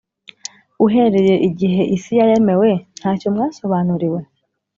uhereye igihe isi yaremewe nta cyo mwasobanuriwe?